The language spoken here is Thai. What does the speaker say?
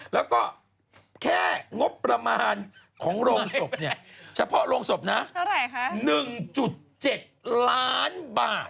แล้วก็แค่งบประมาณของโรงศพเนี่ยเฉพาะโรงศพนะ๑๗ล้านบาท